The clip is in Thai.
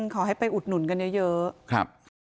ขอให้ไปอุดหนุนกันเยอะ